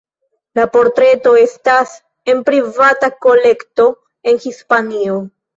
La portreto estas en privata kolekto en Hispanio.